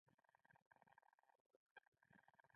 موږ په داسې یو ځای کې ولاړ وو.